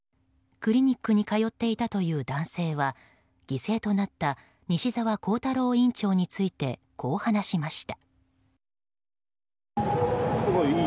クリニックに通っていたという男性は犠牲となった西沢弘太郎院長についてこう話しました。